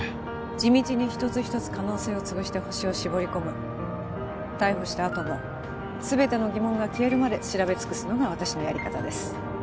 地道に一つ一つ可能性を潰してホシを絞り込む逮捕したあとも全ての疑問が消えるまで調べ尽くすのが私のやり方です